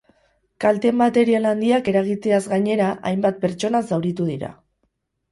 Kalte material handiak eragiteaz gainera, hainbat pertsona zauritu dira.